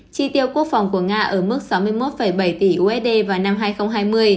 chi tiêu quốc phòng của nga ở mức sáu mươi một bảy tỷ usd vào năm hai nghìn hai mươi